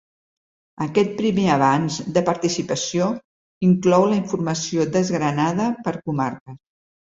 Aquest primer avanç de participació inclou la informació desgranada per comarques.